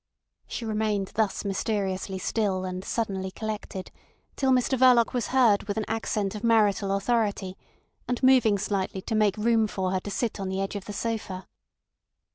She remained thus mysteriously still and suddenly collected till Mr Verloc was heard with an accent of marital authority, and moving slightly to make room for her to sit on the edge of the sofa.